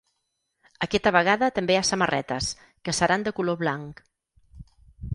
Aquesta vegada també hi ha samarretes, que seran de color blanc.